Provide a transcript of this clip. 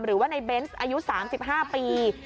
หรือว่าในเบนส์อายุ๓๕ปี